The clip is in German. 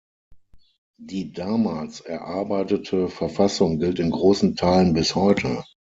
Die damals erarbeitete Verfassung gilt in großen Teilen bis heute.